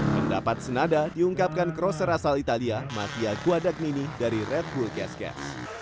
pendapat senada diungkapkan crosser asal italia mathia kuadagmini dari red bull gas gas